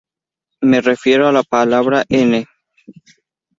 Me refiero a "la palabra N".